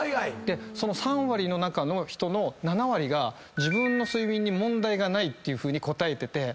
その３割の中の人の７割が自分の睡眠に問題がないっていうふうに答えてて。